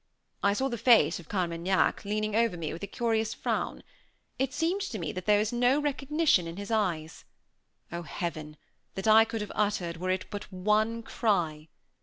I saw the face of Carmaignac leaning over me with a curious frown. It seemed to me that there was no recognition in his eyes. Oh, Heaven! that I could have uttered were it but one cry!